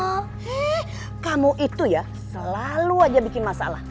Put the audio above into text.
hei kamu itu ya selalu aja bikin masalah